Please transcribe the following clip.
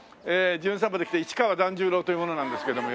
『じゅん散歩』で来た市川團十郎という者なんですけども。